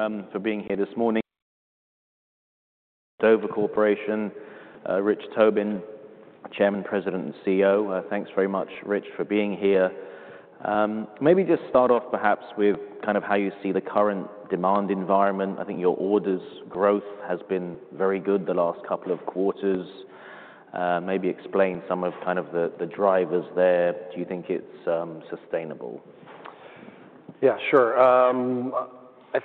Everyone for being here this morning. Dover Corporation, Rich Tobin, Chairman, President, and CEO. Thanks very much, Rich, for being here. Maybe just start off, perhaps, with kind of how you see the current demand environment. I think your orders' growth has been very good the last couple of quarters. Maybe explain some of kind of the drivers there. Do you think it's sustainable? Yeah, sure. I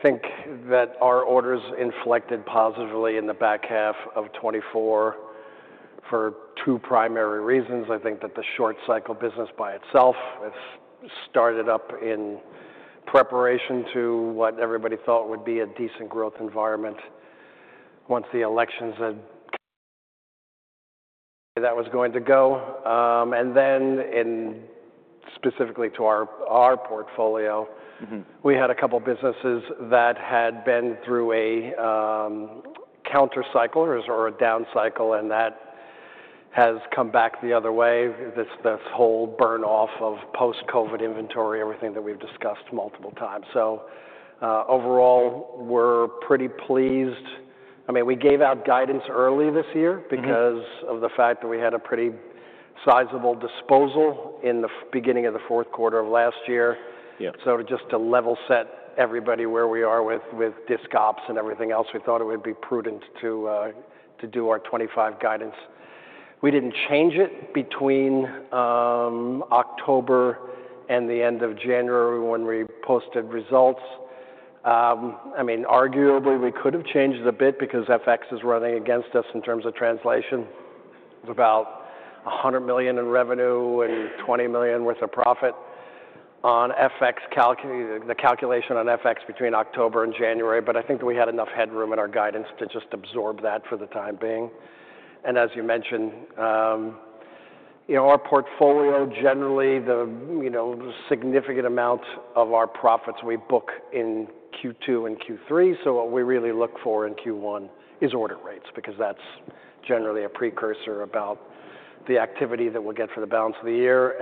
think that our orders inflected positively in the back half of 2024 for two primary reasons. I think that the short-cycle business by itself, it started up in preparation to what everybody thought would be a decent growth environment once the elections had—that was going to go, and then in specifically to our, our portfolio. Mm-hmm. We had a couple businesses that had been through a counter-cycle or a down cycle, and that has come back the other way. This whole burn-off of post-COVID inventory, everything that we've discussed multiple times. So, overall, we're pretty pleased. I mean, we gave out guidance early this year because of the fact that we had a pretty sizable disposal in the beginning of the fourth quarter of last year. Yeah. Just to level-set everybody where we are with disc ops and everything else, we thought it would be prudent to do our 2025 guidance. We didn't change it between October and the end of January when we posted results. I mean, arguably we could have changed it a bit because FX is running against us in terms of translation of about $100 million in revenue and $20 million worth of profit on FX calc - the calculation on FX between October and January. But I think that we had enough headroom in our guidance to just absorb that for the time being. And as you mentioned, you know, our portfolio generally, the, you know, significant amount of our profits we book in Q2 and Q3. What we really look for in Q1 is order rates because that's generally a precursor about the activity that we'll get for the balance of the year.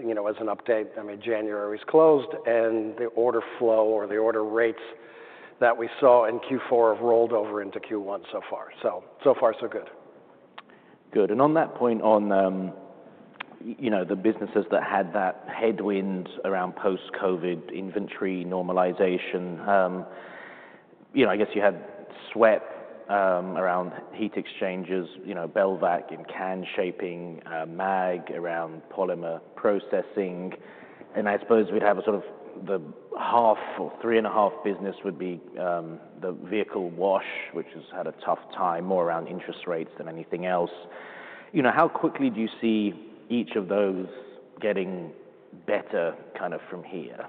You know, as an update, I mean, January's closed and the order flow or the order rates that we saw in Q4 have rolled over into Q1 so far, so far, so good. Good. And on that point on, you know, the businesses that had that headwind around post-COVID inventory normalization, you know, I guess you had SWEP, around heat exchangers, you know, Belvac and can shaping, MAAG around polymer processing. And I suppose we'd have a sort of the 1/2 or 3 1/2 business would be, the Vehicle Wash, which has had a tough time more around interest rates than anything else. You know, how quickly do you see each of those getting better kind of from here?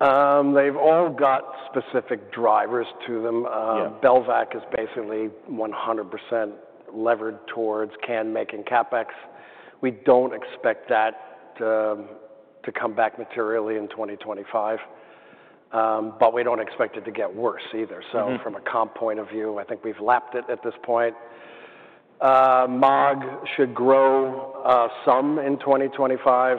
They've all got specific drivers to them. Yeah. Belvac is basically 100% levered towards can making CapEx. We don't expect that to come back materially in 2025, but we don't expect it to get worse either. Mm-hmm. From a comp point of view, I think we've lapped it at this point. MAAG should grow some in 2025.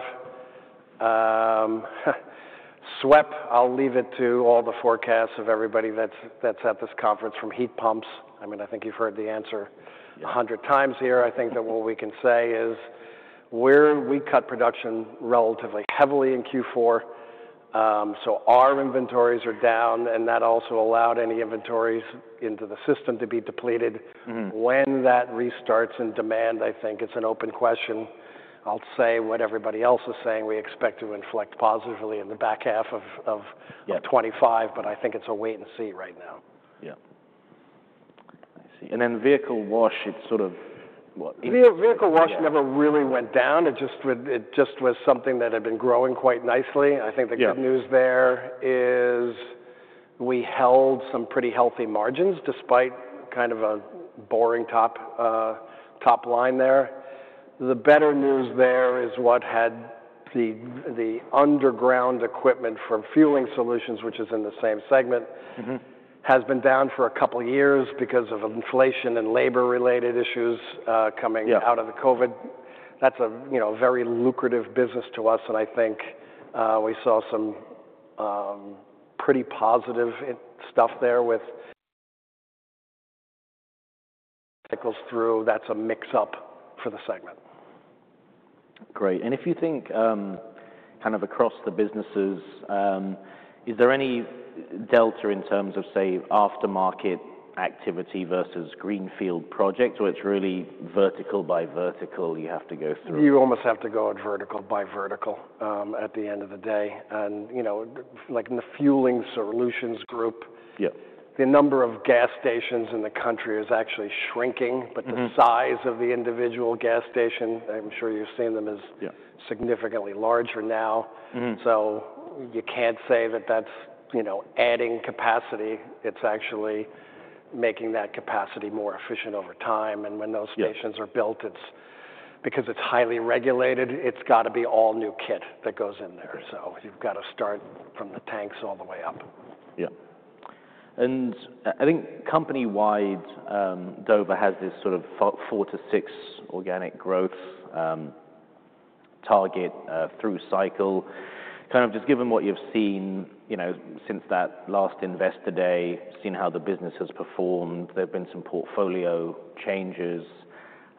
SWEP, I'll leave it to all the forecasts of everybody that's at this conference from heat pumps. I mean, I think you've heard the answer. Yeah. A hundred times here. I think that what we can say is we're—we cut production relatively heavily in Q4, so our inventories are down, and that also allowed any inventories into the system to be depleted. Mm-hmm. When that restarts in demand, I think it's an open question. I'll say what everybody else is saying. We expect to inflect positively in the back half of. Yeah. 2025, but I think it's a wait and see right now. Yeah. I see. And then Vehicle Wash, it's sort of what? Vehicle Wash never really went down. It just was something that had been growing quite nicely. I think the good news there. Yeah. As we held some pretty healthy margins despite kind of a boring top line there. The better news there is what we had, the underground equipment for Fueling Solutions, which is in the same segment. Mm-hmm. Has been down for a couple years because of inflation and labor-related issues, coming. Yeah. Out of the COVID. That's a, you know, very lucrative business to us. And I think we saw some pretty positive stuff there with cycles through. That's a makeup for the segment. Great, and if you think, kind of across the businesses, is there any delta in terms of, say, aftermarket activity versus greenfield projects, or it's really vertical by vertical you have to go through? You almost have to go vertical by vertical, at the end of the day, and, you know, like in the Fueling Solutions group. Yeah. The number of gas stations in the country is actually shrinking, but the size of the individual gas station. I'm sure you've seen them as. Yeah. Significantly larger now. Mm-hmm. So you can't say that that's, you know, adding capacity. It's actually making that capacity more efficient over time. And when those stations are built, it's because it's highly regulated, it's gotta be all new kit that goes in there. So you've gotta start from the tanks all the way up. Yeah. And I think company-wide, Dover has this sort of four-to-six organic growth target through cycle. Kind of just given what you've seen, you know, since that last Investor Day, seen how the business has performed, there've been some portfolio changes.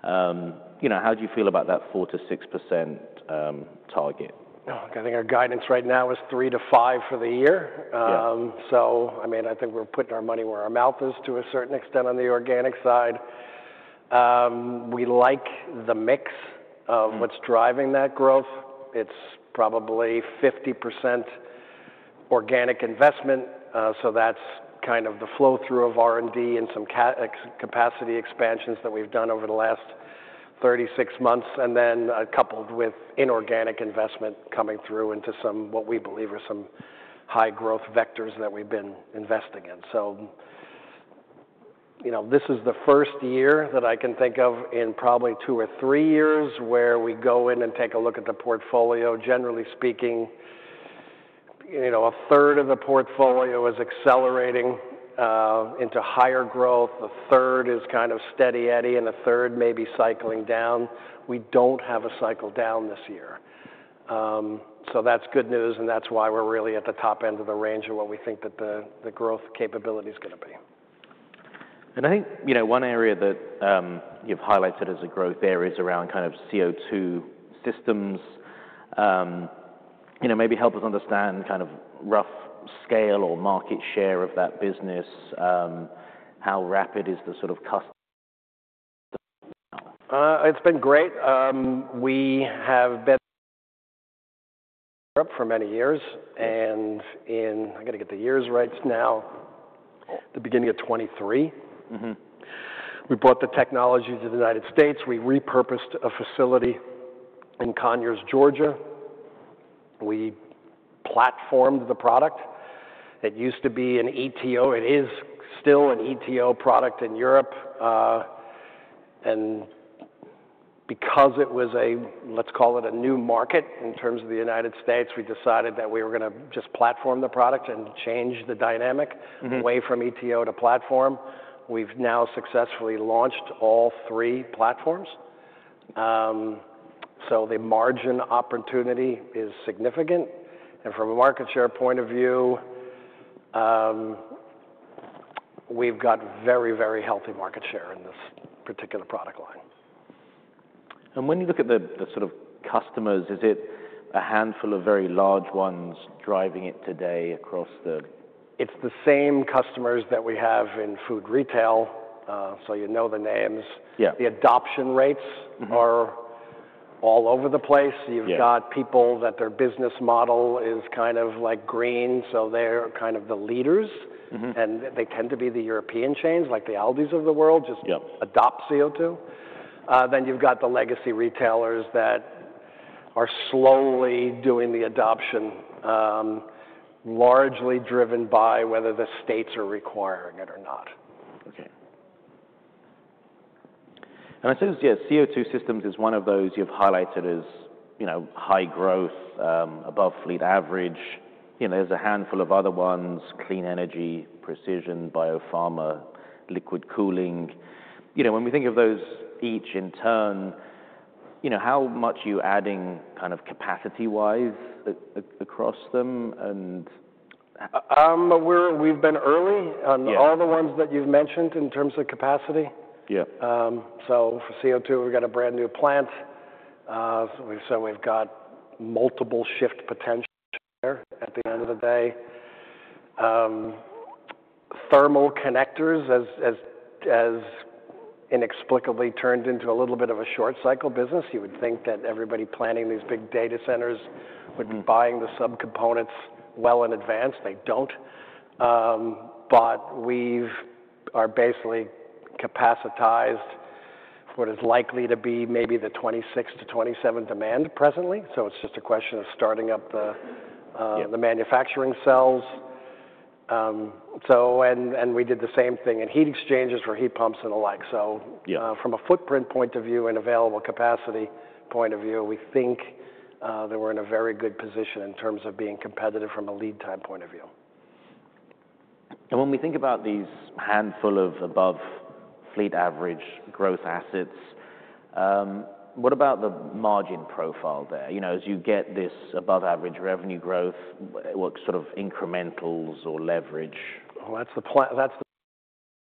You know, how do you feel about that four-to-six% target? Oh, I think our guidance right now is three to five for the year. Yeah. So I mean, I think we're putting our money where our mouth is to a certain extent on the organic side. We like the mix of what's driving that growth. It's probably 50% organic investment. So that's kind of the flow-through of R&D and some capacity expansions that we've done over the last 36 months. And then coupled with inorganic investment coming through into some what we believe are some high-growth vectors that we've been investing in. So, you know, this is the first year that I can think of in probably two or three years where we go in and take a look at the portfolio. Generally speaking, you know, a third of the portfolio is accelerating into higher growth. A third is kind of Steady Eddie and a third may be cycling down. We don't have a cycle down this year. So that's good news. That's why we're really at the top end of the range of what we think that the growth capability's gonna be. And I think, you know, one area that, you've highlighted as a growth area is around kind of CO2 systems. You know, maybe help us understand kind of rough scale or market share of that business. How rapid is the sort of custom? It's been great. We have been up for many years. And in, I gotta get the years right now, the beginning of 2023. Mm-hmm. We brought the technology to the United States. We repurposed a facility in Conyers, Georgia. We platformed the product. It used to be an ETO. It is still an ETO product in Europe, and because it was a, let's call it a new market in terms of the United States, we decided that we were gonna just platform the product and change the dynamic. Mm-hmm. Away from ETO to platform. We've now successfully launched all three platforms, so the margin opportunity is significant, and from a market share point of view, we've got very, very healthy market share in this particular product line. When you look at the sort of customers, is it a handful of very large ones driving it today across the? It's the same customers that we have in food retail, so you know the names. Yeah. The adoption rates. Mm-hmm. Are all over the place. Yeah. You've got people that their business model is kind of like green, so they're kind of the leaders. Mm-hmm. And they tend to be the European chains, like the Aldi of the world, just. Yeah. Adopt CO2. Then you've got the legacy retailers that are slowly doing the adoption, largely driven by whether the states are requiring it or not. Okay. And I suppose, yeah, CO2 systems is one of those you've highlighted as, you know, high growth, above fleet average. You know, there's a handful of other ones: clean energy, precision, biopharma, liquid cooling. You know, when we think of those each in turn, you know, how much are you adding kind of capacity-wise across them and? We've been early on. Yeah. All the ones that you've mentioned in terms of capacity. Yeah. So for CO2, we've got a brand new plant. So we've got multiple shift potential there at the end of the day. Thermal connectors inexplicably turned into a little bit of a short-cycle business. You would think that everybody planning these big data centers would be buying the subcomponents well in advance. They don't. But we are basically capacitated for what is likely to be maybe the 2026-2027 demand presently. So it's just a question of starting up the, Yeah. The manufacturing cells. We did the same thing in heat exchangers for heat pumps and the like. Yeah. From a footprint point of view and available capacity point of view, we think that we're in a very good position in terms of being competitive from a lead time point of view. When we think about these handful of above fleet average growth assets, what about the margin profile there? You know, as you get this above-average revenue growth, what sort of incrementals or leverage? That's the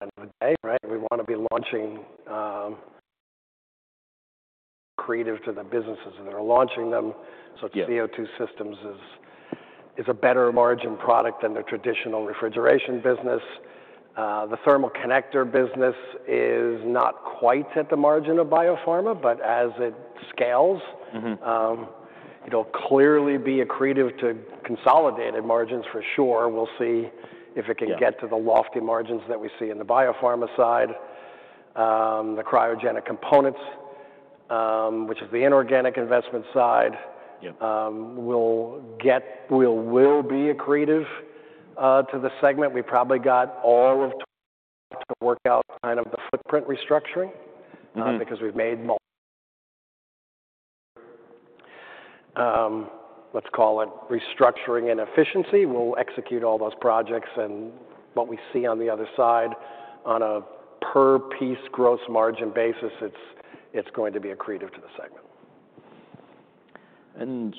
end of the day, right? We wanna be launching, creative to the businesses that are launching them. Yeah. CO2 systems is a better margin product than the traditional refrigeration business. The thermal connector business is not quite at the margin of biopharma, but as it scales. Mm-hmm. It'll clearly be accretive to consolidated margins for sure. We'll see if it can get to the lofty margins that we see in the biopharma side. The cryogenic components, which is the inorganic investment side. Yeah. will be accretive to the segment. We probably got a lot to work out kind of the footprint restructuring. Mm-hmm. because we've made multiple, let's call it restructuring and efficiency. We'll execute all those projects. And what we see on the other side on a per-piece gross margin basis, it's going to be accretive to the segment. When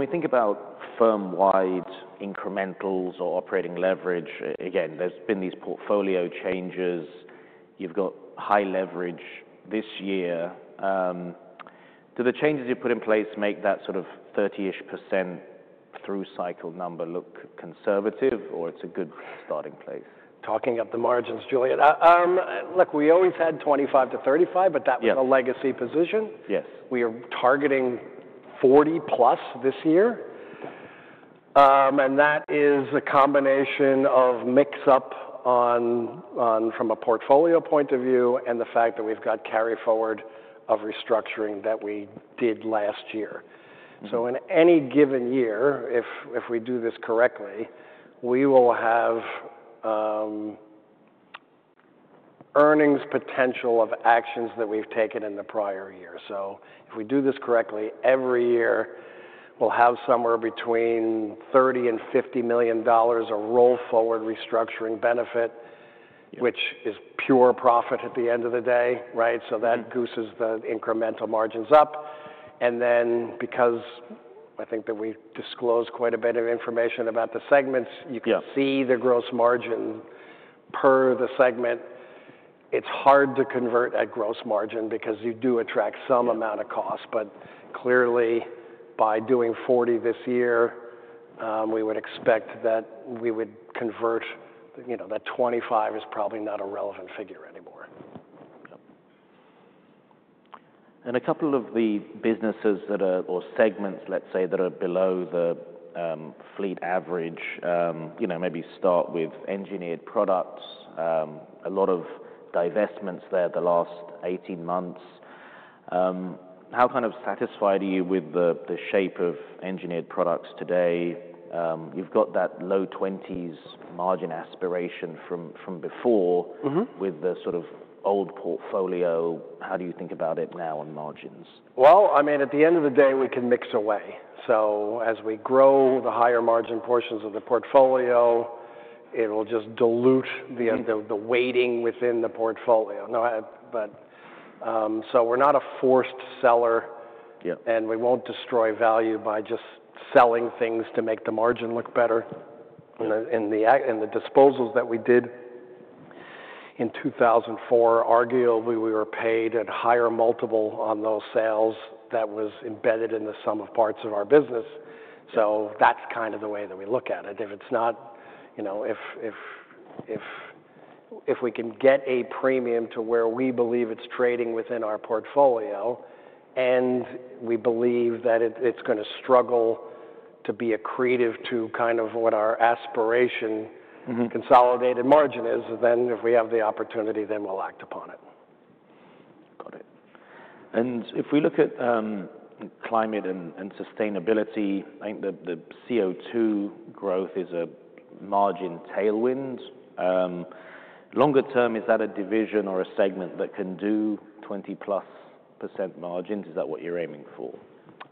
we think about firm-wide incrementals or operating leverage, again, there's been these portfolio changes. You've got high leverage this year. Do the changes you put in place make that sort of 30-ish% through cycle number look conservative or it's a good starting place? Talking up the margins, Julian. Look, we always had 25-35, but that was a legacy position. Yes. We are targeting 40+ this year, and that is a combination of mix-up on from a portfolio point of view and the fact that we've got carry forward of restructuring that we did last year. Mm-hmm. In any given year, if we do this correctly, we will have earnings potential of actions that we've taken in the prior year. If we do this correctly, every year we'll have somewhere between $30 million and $50 million of roll-forward restructuring benefit. Yeah. Which is pure profit at the end of the day, right? So that gooses the incremental margins up. And then because I think that we disclosed quite a bit of information about the segments. Yeah. You can see the gross margin per the segment. It's hard to convert that gross margin because you do attract some amount of cost. But clearly, by doing 40 this year, we would expect that we would convert, you know, that 25 is probably not a relevant figure anymore. Yep. And a couple of the businesses that are, or segments, let's say, that are below the fleet average, you know, maybe start with Engineered Products, a lot of divestments there the last 18 months. How kind of satisfied are you with the shape of Engineered Products today? You've got that low 20s margin aspiration from before. Mm-hmm. With the sort of old portfolio. How do you think about it now on margins? Well, I mean, at the end of the day, we can mix away. So as we grow the higher margin portions of the portfolio, it'll just dilute the weighting within the portfolio. No, but, so we're not a forced seller. Yeah. We won't destroy value by just selling things to make the margin look better. Mm-hmm. In the disposals that we did in 2004, arguably we were paid at higher multiple on those sales that was embedded in the sum of parts of our business. So that's kind of the way that we look at it. If it's not, you know, if we can get a premium to where we believe it's trading within our portfolio and we believe that it, it's gonna struggle to be accretive to kind of what our aspiration. Mm-hmm. Consolidated margin is, then if we have the opportunity, then we'll act upon it. Got it. And if we look at climate and sustainability, I think that the CO2 growth is a margin tailwind. Longer term, is that a division or a segment that can do 20+% margins? Is that what you're aiming for?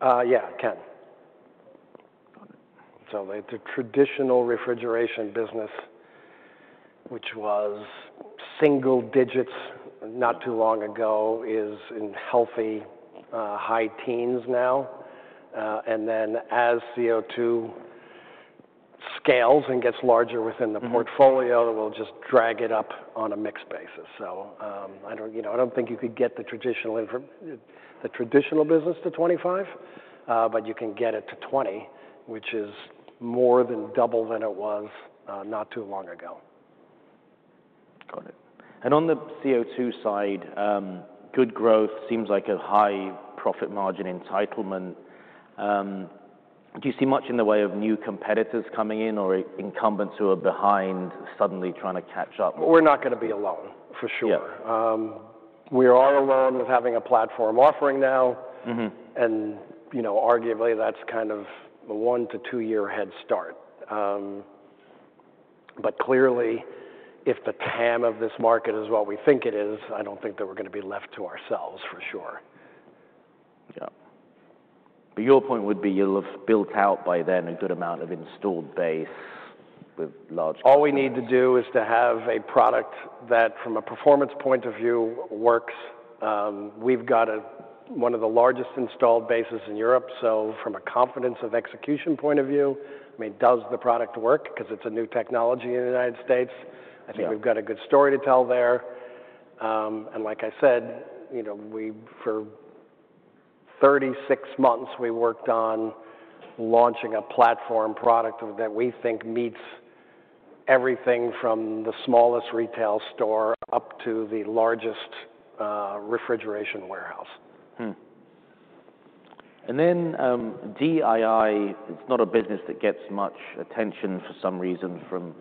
Yeah, it can. Got it. So the traditional refrigeration business, which was single digits not too long ago, is in healthy, high teens now. And then as CO2 scales and gets larger within the portfolio, it will just drag it up on a mixed basis. So, I don't, you know, I don't think you could get the traditional in the traditional business to 25, but you can get it to 20, which is more than double than it was, not too long ago. Got it. And on the CO2 side, good growth seems like a high profit margin entitlement. Do you see much in the way of new competitors coming in or incumbents who are behind suddenly trying to catch up? We're not gonna be alone for sure. Yeah. We are all in with having a platform offering now. Mm-hmm. You know, arguably that's kind of a one to two-year head start. But clearly, if the TAM of this market is what we think it is, I don't think that we're gonna be left to ourselves for sure. Yeah. But your point would be you'll have built out by then a good amount of installed base with large. All we need to do is to have a product that, from a performance point of view, works. We've got one of the largest installed bases in Europe. So from a confidence of execution point of view, I mean, does the product work? 'Cause it's a new technology in the United States. Yeah. I think we've got a good story to tell there, and like I said, you know, for 36 months we worked on launching a platform product that we think meets everything from the smallest retail store up to the largest refrigeration warehouse. And then, DII, it's not a business that gets much attention for some reason from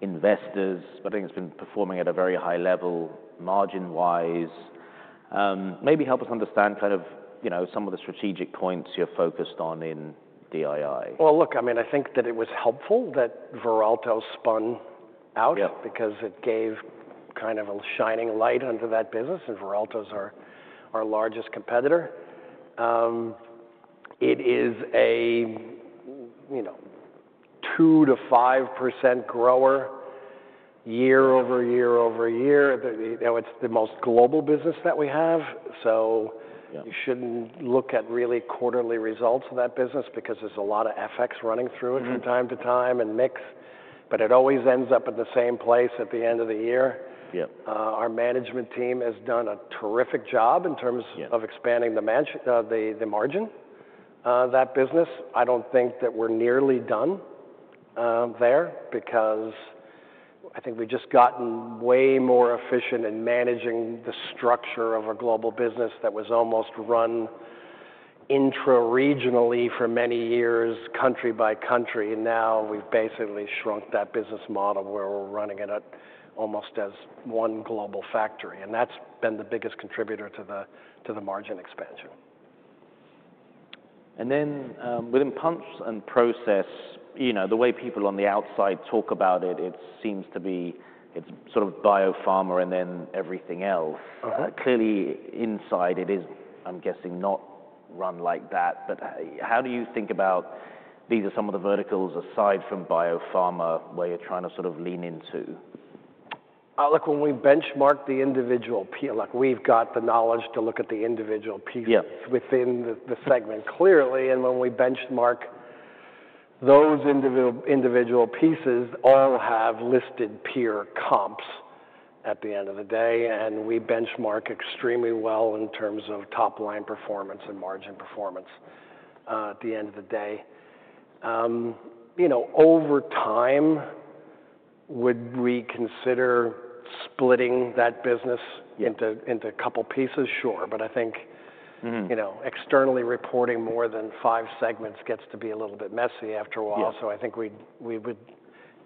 investors, but I think it's been performing at a very high level margin-wise. Maybe help us understand kind of, you know, some of the strategic points you're focused on in DII. Look, I mean, I think that it was helpful that Veralto spun out. Yeah. Because it gave kind of a shining light onto that business. And Veralto's our largest competitor. It is, you know, 2%-5% grower year-over-year-over-year. You know, it's the most global business that we have. So. Yeah. You shouldn't look at really quarterly results of that business because there's a lot of FX running through it from time to time and mix, but it always ends up at the same place at the end of the year. Yeah. Our management team has done a terrific job in terms of. Yeah. Expanding the manufacturing, the margin, that business. I don't think that we're nearly done there because I think we've just gotten way more efficient in managing the structure of a global business that was almost run intra-regionally for many years, country by country. And now we've basically shrunk that business model where we're running it as almost one global factory. And that's been the biggest contributor to the margin expansion. And then, within Pumps and Process, you know, the way people on the outside talk about it, it seems to be it's sort of biopharma and then everything else. Uh-huh. But clearly inside it is, I'm guessing, not run like that. But how do you think about these? Are some of the verticals aside from biopharma where you're trying to sort of lean into? Look, when we benchmark the individual piece, like we've got the knowledge to look at the individual piece. Yeah. Within the segment clearly. And when we benchmark those individual pieces, all have listed peer comps at the end of the day. And we benchmark extremely well in terms of top-line performance and margin performance, at the end of the day. You know, over time, would we consider splitting that business into. Yeah. Into a couple pieces? Sure. But I think. Mm-hmm. You know, externally reporting more than five segments gets to be a little bit messy after a while. Yeah. So I think we would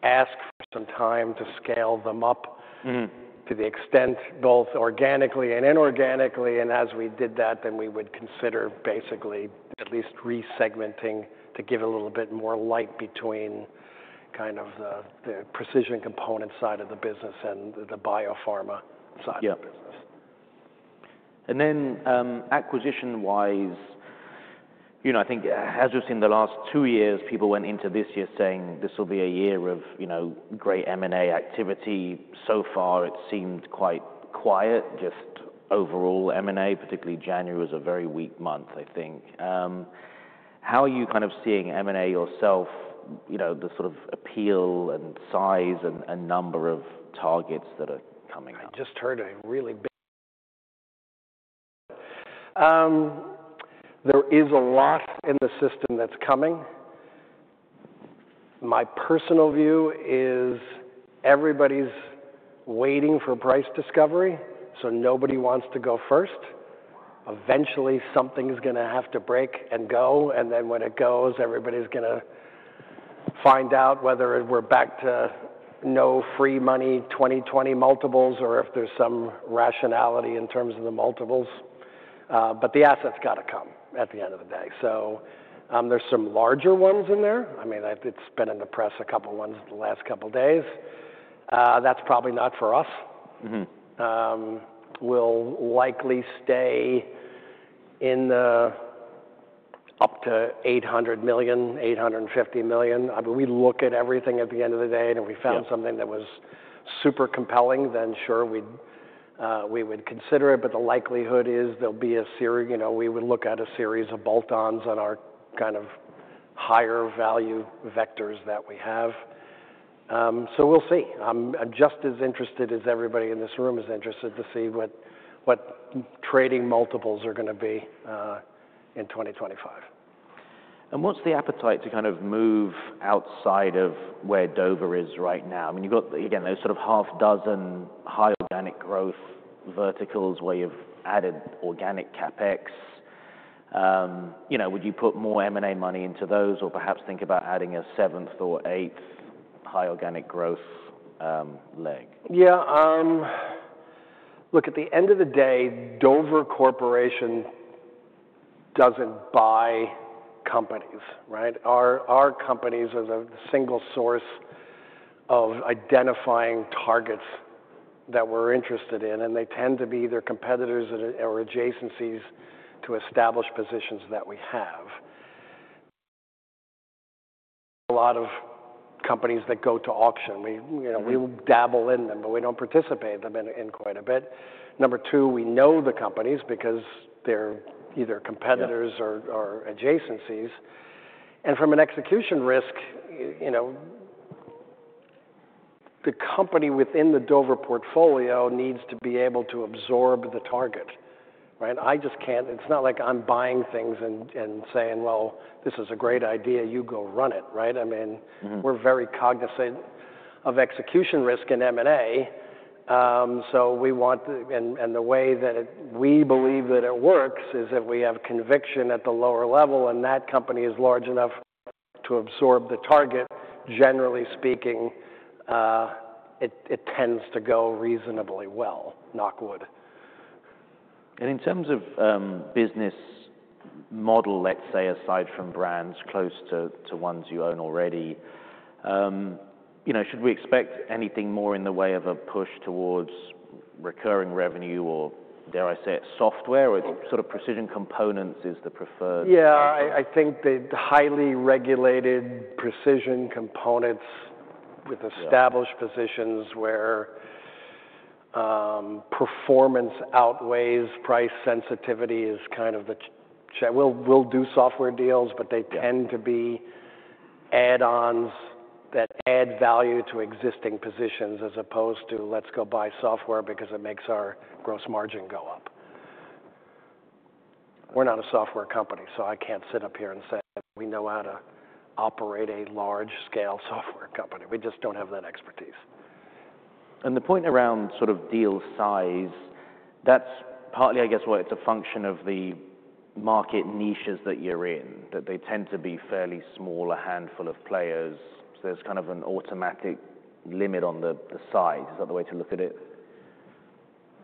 ask for some time to scale them up. Mm-hmm. To the extent both organically and inorganically, and as we did that, then we would consider basically at least resegmenting to give a little bit more light between kind of the precision component side of the business and the biopharma side of the business. Yeah. And then, acquisition-wise, you know, I think as we've seen the last two years, people went into this year saying this will be a year of, you know, great M&A activity. So far, it seemed quite quiet. Just overall M&A, particularly January was a very weak month, I think. How are you kind of seeing M&A yourself, you know, the sort of appeal and size and, and number of targets that are coming up? There is a lot in the system that's coming. My personal view is everybody's waiting for price discovery, so nobody wants to go first. Eventually, something's gonna have to break and go. Then when it goes, everybody's gonna find out whether we're back to no free money 2020 multiples or if there's some rationality in terms of the multiples. But the asset's gotta come at the end of the day. There's some larger ones in there. I mean, I've been in the press a couple ones the last couple days. That's probably not for us. Mm-hmm. We'll likely stay in the up to $800 million-$850 million. I mean, we look at everything at the end of the day, and if we found something that was super compelling, then sure, we would consider it. But the likelihood is there'll be a, you know, we would look at a series of bolt-ons on our kind of higher value vectors that we have, so we'll see. I'm just as interested as everybody in this room is interested to see what trading multiples are gonna be in 2025. What's the appetite to kind of move outside of where Dover is right now? I mean, you've got, again, those sort of half dozen high organic growth verticals where you've added organic CapEx, you know. Would you put more M&A money into those or perhaps think about adding a seventh or eighth high organic growth leg? Yeah. Look, at the end of the day, Dover Corporation doesn't buy companies, right? Our companies are the single source of identifying targets that we're interested in. And they tend to be either competitors or adjacencies to established positions that we have. A lot of companies that go to auction, we, you know, we dabble in them, but we don't participate in them in quite a bit. Number two, we know the companies because they're either competitors or adjacencies. And from an execution risk, you know, the company within the Dover portfolio needs to be able to absorb the target, right? I just can't. It's not like I'm buying things and saying, "Well, this is a great idea. You go run it," right? I mean. Mm-hmm. We're very cognizant of execution risk in M&A, so we want the way that we believe that it works is if we have conviction at the lower level and that company is large enough to absorb the target. Generally speaking, it tends to go reasonably well, knock wood. In terms of business model, let's say, aside from brands close to ones you own already, you know, should we expect anything more in the way of a push towards recurring revenue or, dare I say, software or? Mm-hmm. Sort of precision components is the preferred? Yeah. I think the highly regulated precision components with established positions. Mm-hmm. Where performance outweighs price sensitivity is kind of the challenge. We'll do software deals, but they tend to be add-ons that add value to existing positions as opposed to, "Let's go buy software because it makes our gross margin go up." We're not a software company, so I can't sit up here and say that we know how to operate a large-scale software company. We just don't have that expertise. And the point around sort of deal size, that's partly, I guess, what it's a function of the market niches that you're in, that they tend to be fairly small, a handful of players. So there's kind of an automatic limit on the size. Is that the way to look at it?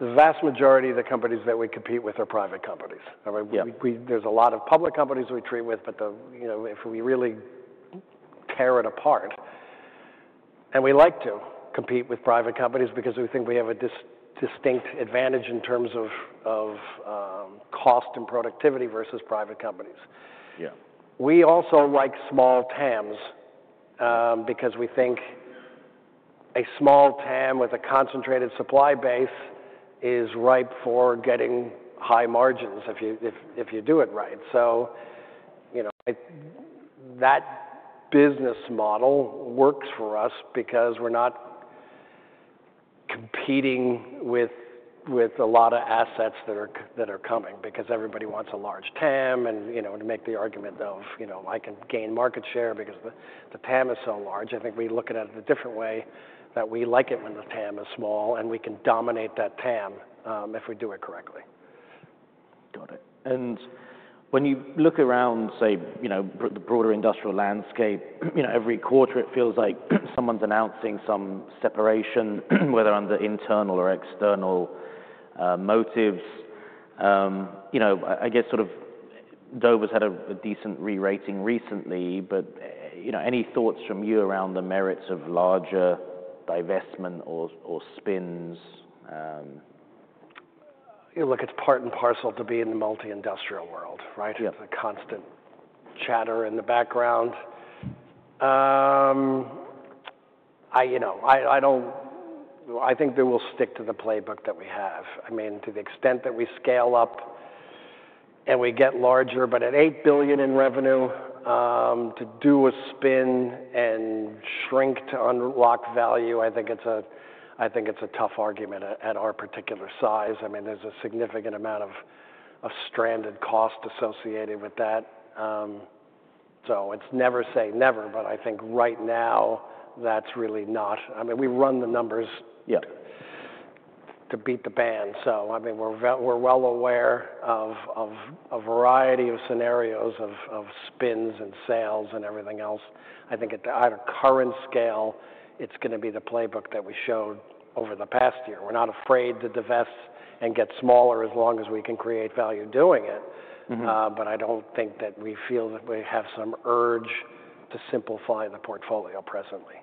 The vast majority of the companies that we compete with are private companies. I mean. Yeah. There's a lot of public companies we deal with, but you know, if we really tear it apart, and we like to compete with private companies because we think we have a distinct advantage in terms of cost and productivity versus private companies. Yeah. We also like small TAMs, because we think a small TAM with a concentrated supply base is ripe for getting high margins if you do it right. So, you know, that business model works for us because we're not competing with a lot of assets that are coming because everybody wants a large TAM, and you know, to make the argument of, you know, "I can gain market share because the TAM is so large," I think we look at it a different way that we like it when the TAM is small and we can dominate that TAM, if we do it correctly. Got it. And when you look around, say, you know, the broader industrial landscape, you know, every quarter, it feels like someone's announcing some separation, whether under internal or external motives. You know, I guess sort of Dover's had a decent re-rating recently, but, you know, any thoughts from you around the merits of larger divestment or spins? You know, look, it's part and parcel to be in the multi-industrial world, right? Yeah. It's a constant chatter in the background. You know, I don't think that we'll stick to the playbook that we have. I mean, to the extent that we scale up and we get larger, but at $8 billion in revenue, to do a spin and shrink to unlock value, I think it's a tough argument at our particular size. I mean, there's a significant amount of stranded cost associated with that. So it's never say never, but I think right now that's really not. I mean, we run the numbers. Yeah. To beat the band. So, I mean, we're very well aware of a variety of scenarios of spins and sales and everything else. I think at a current scale, it's gonna be the playbook that we showed over the past year. We're not afraid to divest and get smaller as long as we can create value doing it. Mm-hmm. But I don't think that we feel that we have some urge to simplify the portfolio presently.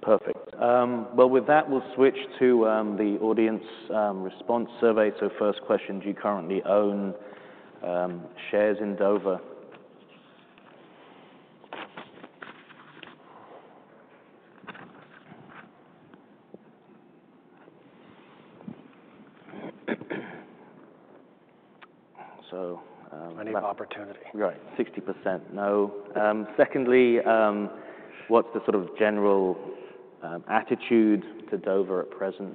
Perfect. Well, with that, we'll switch to the audience response survey. So first question, do you currently own shares in Dover? So, I need opportunity. Right. 60% no. Secondly, what's the sort of general attitude to Dover at present?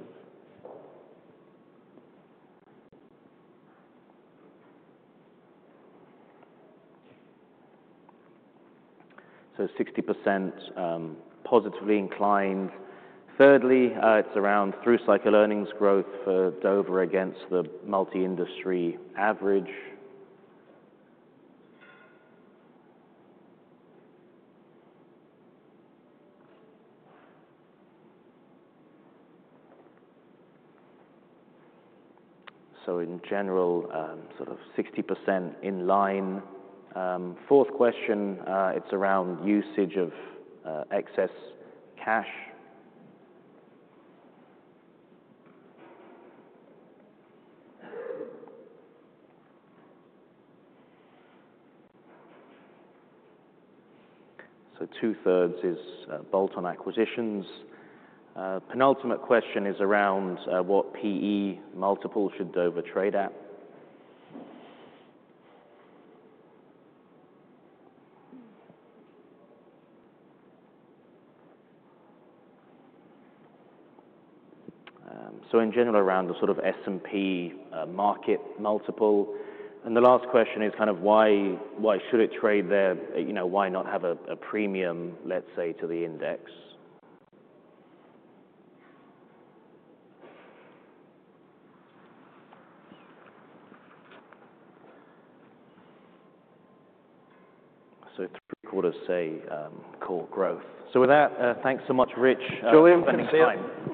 So 60%, positively inclined. Thirdly, it's around through cycle earnings growth for Dover against the multi-industry average. So in general, sort of 60% in line. Fourth question, it's around usage of excess cash. So 2/3 is bolt-on acquisitions. Penultimate question is around what PE multiple should Dover trade at. So in general, around the sort of S&P market multiple. And the last question is kind of why, why should it trade there? You know, why not have a premium, let's say, to the index? So 3/4 say core growth. So with that, thanks so much, Rich, thanks for your time. Julian.